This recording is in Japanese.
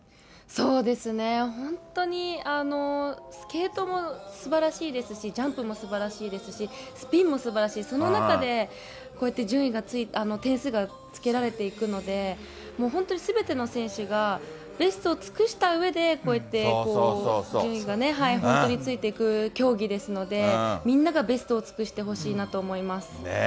本当に、スケートもすばらしいですし、ジャンプもすばらしいですし、スピンもすばらしい、その中で、こうやって点数がつけられていくので、もう本当にすべての選手がベストを尽くしたうえで、こうやって順位がね、本当についていく競技ですので、みんながベストを尽くしてほしいなと思います。